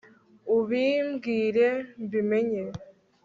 ubimbwire mbimenye